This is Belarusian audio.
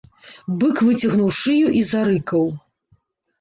Бык выцягнуў шыю і зарыкаў.